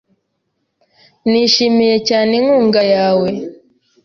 Nishimiye cyane. inkunga yawe .